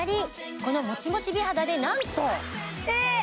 このモチモチ美肌でなんとえーっ！